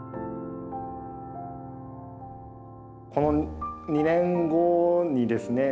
この２年後にですね